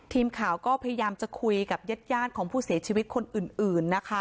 ทีมข่าวก็พยายามจะคุยกับญาติของผู้เสียชีวิตคนอื่นนะคะ